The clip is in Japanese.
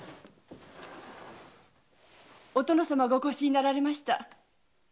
お殿様がお越しになられました。